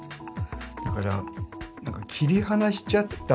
だから切り離しちゃった